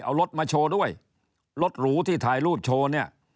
เอารถมาโชว์ด้วยรถหรูที่ถ่ายรูปโชว์เนี่ย